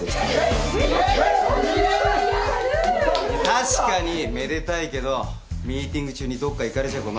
確かにめでたいけどミーティング中にどっか行かれちゃ困る。